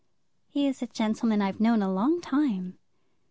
"He is a gentleman I've known a long time."